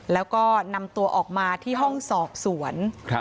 แล้วก็นำตัวออกมาที่ห้องสอบสวน